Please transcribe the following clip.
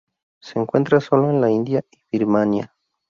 Se encuentra sólo en la India y Birmania.